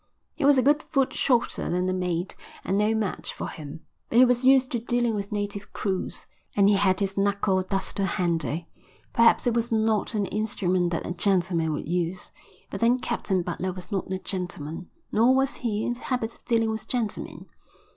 He was a good foot shorter than the mate and no match for him, but he was used to dealing with native crews, and he had his knuckle duster handy. Perhaps it was not an instrument that a gentleman would use, but then Captain Butler was not a gentleman. Nor was he in the habit of dealing with gentlemen.